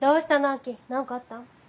亜季何かあった？